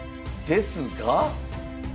ですが？